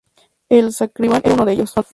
El "Scriabin" era uno de ellos.